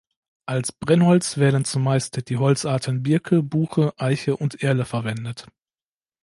Als Brennholz werden zumeist die Holzarten Birke, Buche, Eiche und Erle verwendet.